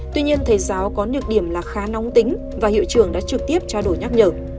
tuy nhiên thầy giáo có nược điểm là khá nóng tính và hiệu trưởng đã trực tiếp tra đổi nhắc nhở